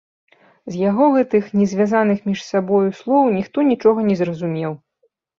З яго гэтых, не звязаных між сабою, слоў ніхто нічога не зразумеў.